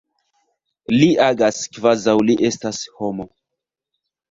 Li agas kvazaŭ li estas homo.